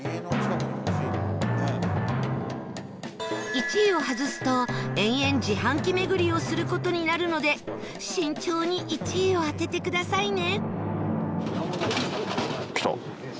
１位を外すと、延々自販機巡りをする事になるので慎重に１位を当ててくださいね